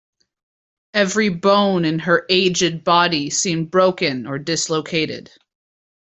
Every bone in her aged body seemed broken or dislocated.